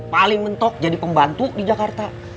paling mentok jadi pembantu di jakarta